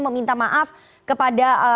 meminta maaf kepada